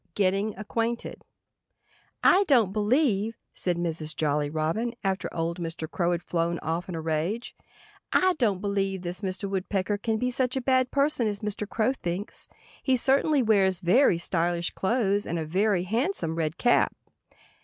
*II* *GETTING ACQUAINTED* "I don't believe—" said Mrs. Jolly Robin after old Mr. Crow had flown off in a rage—"I don't believe this Mr. Woodpecker can be such a bad person as Mr. Crow thinks. He certainly wears very stylish clothes and a very handsome red cap."